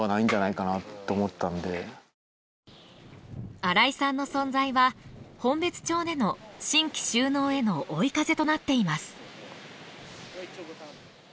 荒井さんの存在は本別町での新規就農への追い風となっています。